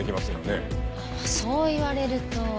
そう言われると。